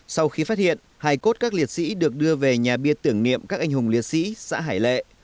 sau khi phát hiện hai cốt các liệt sĩ được đưa về nhà bia tưởng niệm các anh hùng liệt sĩ xã hải lệ